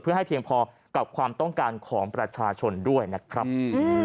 เพื่อให้เพียงพอกับความต้องการของประชาชนด้วยนะครับ